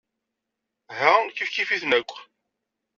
Ha kif kif-itent akk.